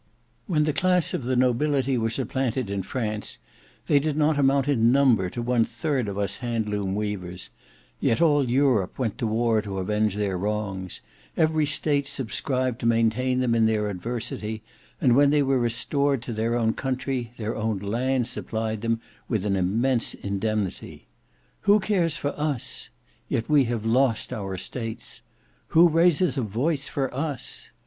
"When the class of the Nobility were supplanted in France, they did not amount in number to one third of us Hand Loom weavers; yet all Europe went to war to avenge their wrongs, every state subscribed to maintain them in their adversity, and when they were restored to their own country, their own land supplied them with an immense indemnity. Who cares for us? Yet we have lost our estates. Who raises a voice for us?